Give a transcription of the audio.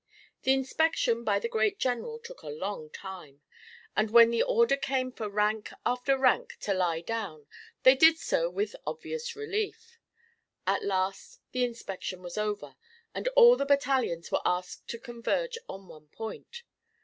The inspection by the great General took a long time, and when the order came for rank after rank to lie down, they did so with obvious relief. At last the inspection was over, and all the battalions were asked to converge on one point.